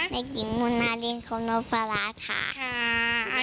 เด็กหญิงโมนานกรีมคมนประราชค่ะ